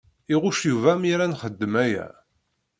Iɣuc Yuba mi ara nxeddem aya.